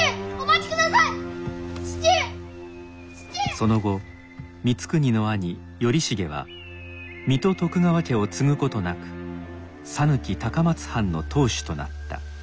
その後光圀の兄頼重は水戸徳川家を継ぐことなく讃岐高松藩の当主となった。